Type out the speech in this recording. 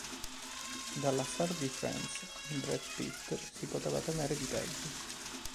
Dalla star di Friends in Brad Pitt, si poteva temere di peggio.